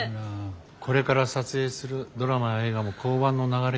これから撮影するドラマや映画も降板の流れかもね。